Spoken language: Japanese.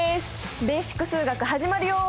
「ベーシック数学」始まるよ。